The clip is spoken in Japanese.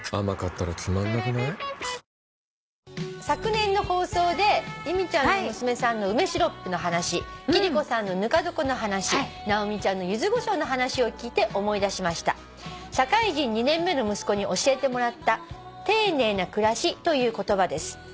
「昨年の放送で由美ちゃんの娘さんの梅シロップの話貴理子さんのぬか床の話直美ちゃんのゆずこしょうの話を聞いて思い出しました」「社会人２年目の息子に教えてもらった『丁寧な暮らし』という言葉です」